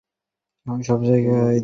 আমি সব জায়গায় দেখেছি।